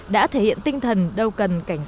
đã thể hiện tinh thần đâu cần cảnh sát giao thông